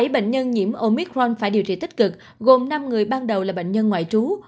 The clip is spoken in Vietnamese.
bảy bệnh nhân nhiễm omicron phải điều trị tích cực gồm năm người ban đầu là bệnh nhân ngoại trú